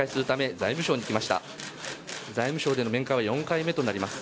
財務省での面会は４回目となります。